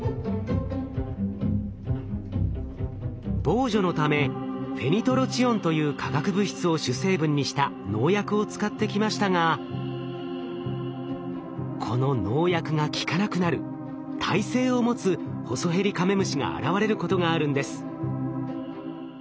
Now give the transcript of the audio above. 防除のためフェニトロチオンという化学物質を主成分にした農薬を使ってきましたがこの農薬が効かなくなる耐性を持つホソヘリカメムシが現れることがあるんです。